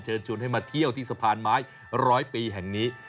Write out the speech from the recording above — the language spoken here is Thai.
ชวนให้มาเที่ยวที่สะพานไม้ร้อยปีแห่งนี้